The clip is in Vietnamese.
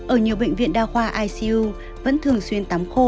ở nhiều bệnh viện đa khoa icu vẫn thường xuyên tắm khô